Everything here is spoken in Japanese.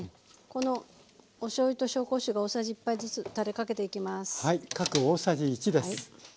このおしょうゆと紹興酒が大さじ１杯ずつたれかけていきます。